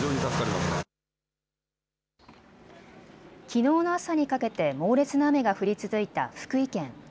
きのうの朝にかけて猛烈な雨が降り続いた福井県。